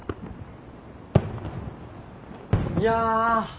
いや。